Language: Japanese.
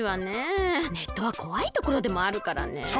ネットはこわいところでもあるからね。